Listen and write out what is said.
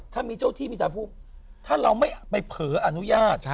ถ้ามีเจ้าที่มีสารภูมิถ้าเราไม่ไปเผลออนุญาต